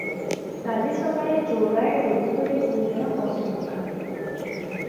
କାଲି ସକାଳେ ଯୋଡ଼ାଏ ଡୋଲି କରି ଦୁଇ ଜଣ ବସି ଯିବା ।